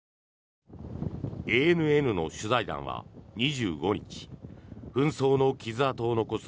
ＡＮＮの取材団は２５日紛争の傷痕を残す